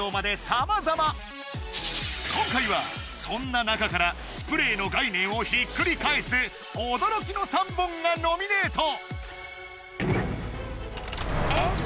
今回はそんな中からスプレーの概念をひっくり返すがノミネート